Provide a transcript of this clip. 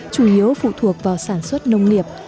chủ yếu phụ thuộc vào sản xuất nông nghiệp